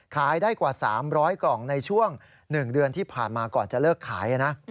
ขายได้กว่า๓๐๐กล่องในช่วง๑เดือนที่ผ่านมาก่อนจะเลิกขายนะ